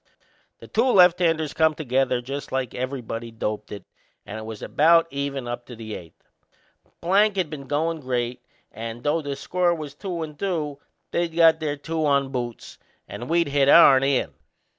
The two lefthanders come together just like everybody'd doped it and it was about even up to the eighth. Plank had been goin' great and, though the score was two and two, they'd got their two on boots and we'd hit ourn in.